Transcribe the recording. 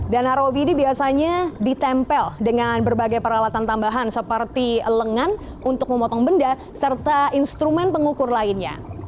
dan rov ini biasanya ditempel dengan berbagai peralatan tambahan seperti lengan untuk memotong benda serta instrumen pengukur lainnya